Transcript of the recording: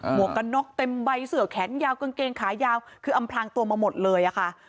วกกันน็อกเต็มใบเสือแขนยาวกางเกงขายาวคืออำพลางตัวมาหมดเลยอะค่ะ